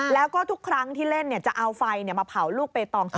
แล้วก็ทุกครั้งที่เล่นจะเอาไฟมาเผาลูกเบตอง